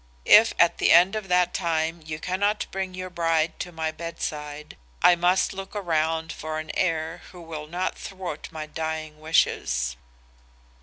If at the end of that time you cannot bring your bride to my bedside, I must look around for an heir who will not thwart my dying wishes.